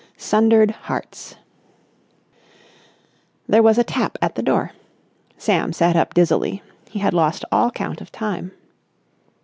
SUNDERED HEARTS There was a tap at the door. Sam sat up dizzily. He had lost all count of time.